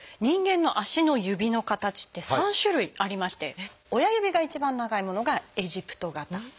人間の足の指の形って３種類ありまして親指が一番長いものが「エジプト型」。